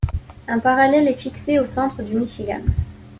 Un parallèle est fixé au centre du Michigan.